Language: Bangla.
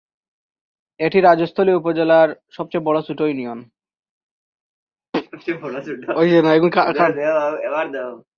এটি রাজস্থলী উপজেলার সবচেয়ে ছোট ইউনিয়ন।